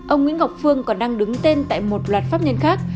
ông nguyễn ngọc phương còn đang đứng tên tại một loạt pháp nhân khác